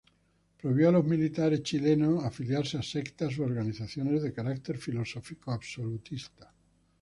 Prohibió a los militares chilenos a afiliarse a sectas u organizaciones de carácter filosófico-absolutista.